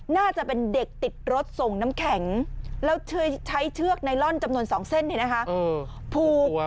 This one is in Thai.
น่าจะเป็นเด็กติดรถส่งน้ำแข็งแล้วใช้เชือกไนลอนจำนวน๒เส้น